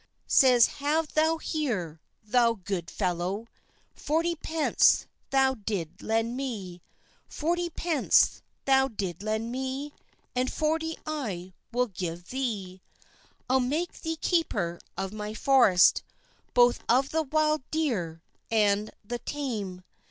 Says "have thou here, thou good fellow, Forty pence thou did lend me; Forty pence thou did lend me, And forty I will give thee, I'll make thee keeper of my forrest, Both of the wild deere and the tame."